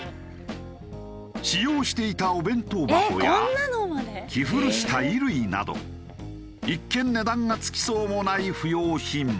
使用していたお弁当箱や着古した衣類など一見値段が付きそうもない不要品。